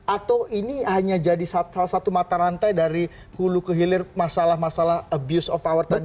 atau ini hanya jadi salah satu mata rantai dari hulu ke hilir masalah masalah abuse of power tadi